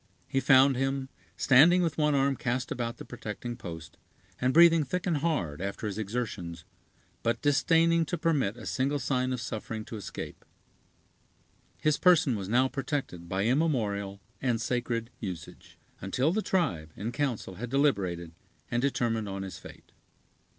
He found him, standing with one arm cast about the protecting post, and breathing thick and hard, after his exertions, but disdaining to permit a single sign of suffering to escape. His person was now protected by immemorial and sacred usage, until the tribe in council had deliberated and determined on his fate.